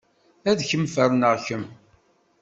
Ad kem-ferneɣ kemm!